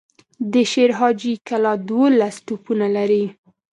د شير حاجي کلا دولس توپونه لري.